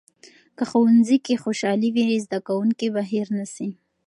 که ښوونځي کې خوشالي وي، زده کوونکي به هیر نسي.